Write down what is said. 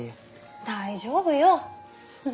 大丈夫よ。